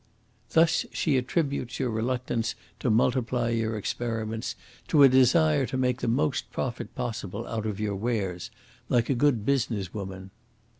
Thus she attributes your reluctance to multiply your experiments to a desire to make the most profit possible out of your wares, like a good business woman."